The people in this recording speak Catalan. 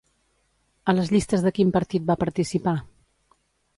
A les llistes de quin partit va participar?